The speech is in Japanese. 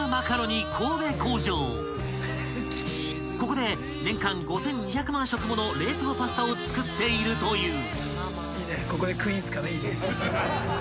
［ここで年間５，２００万食もの冷凍パスタを作っているという］